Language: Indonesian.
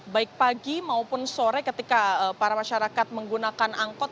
baik pagi maupun sore ketika para masyarakat menggunakan angkot